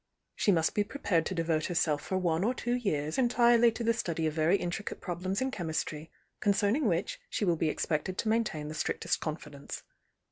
She must be prepared to devote herself for one or two years entirely to the study of very in tricate problems in chemistry, concerning which she will be expected to maintain the strictest con fidence.